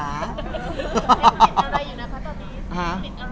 ห้า